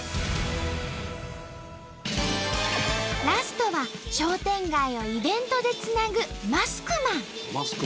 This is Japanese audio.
ラストは商店街をイベントでつなぐマスクマン。